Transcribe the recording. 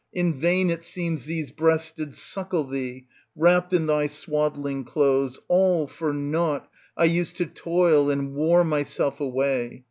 In vain it seems these breasts did suckle thee, wrapped in thy swaddling clothes; all for naught I used to toil and wore myself away